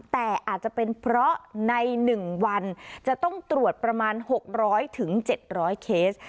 แต่อาจจะเป็นเพราะในหนึ่งวันจะต้องตรวจประมาณหกร้อยถึงเจ็ดร้อยเคส